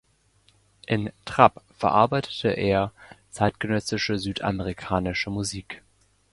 In „Trap“ verarbeitet er zeitgenössische südamerikanische Musik.